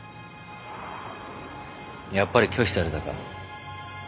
やっぱり拒否されたか。